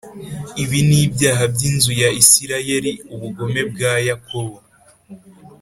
Ibi n ibyaha by inzu ya isirayeli ubugome bwa yakobo